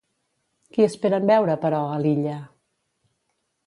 Qui esperen veure, però, a l'illa?